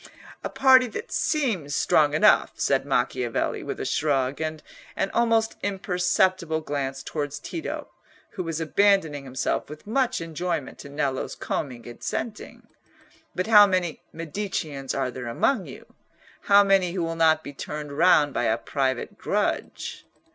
"A party that seems strong enough," said Macchiavelli, with a shrug, and an almost imperceptible glance towards Tito, who was abandoning himself with much enjoyment to Nello's combing and scenting. "But how many Mediceans are there among you? How many who will not be turned round by a private grudge?"